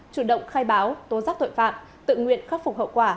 chủ động khai báo tố giác tội phạm tự nguyện khắc phục hậu quả